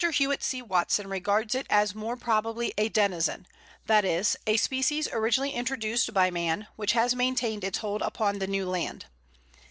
Hewett C. Watson regards it as more probably a denizen, that is, a species originally introduced by man, which has maintained its hold upon the new land.